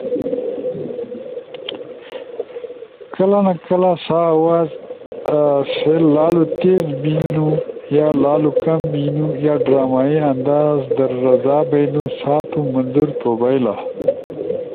کلہ نہ کلہ سا آواز ایسے لالو تیز بیںنپو یا لالو کم بینُو یا ڈرامائی انداز در رضا بیئنو سا تُو منظور تو بئیلا۔